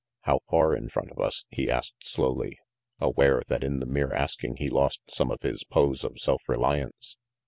"How far in front of us?" he asked slowly, aware that in the mere asking he lost some of his pose of self reliance.